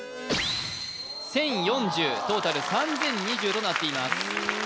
トータル３０２０となっています